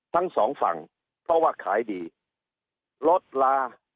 ทั้งสองฝั่งเพราะว่าขายดีรถลา